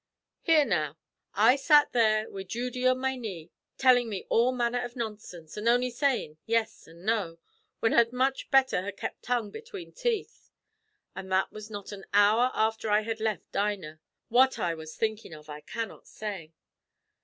Hear, now. I sat there wid Judy on my knee, tellin' me all manner av nonsinse, an' only sayin' 'yes' an' 'no,' when I'd much better ha' kept tongue betune teeth. An' that was not an hour afther I had left Dinah. What I was thinkin' av I cannot say.